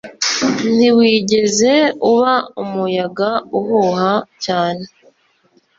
Ntiwigeze uba umuyaga uhuha cyane